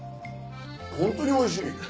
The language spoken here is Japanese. ホントにおいしい！